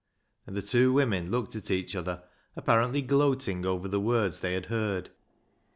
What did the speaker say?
" And the two women looked at each other, apparently gloating over the words they had heard.